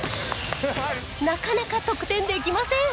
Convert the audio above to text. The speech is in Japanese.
なかなか得点できません。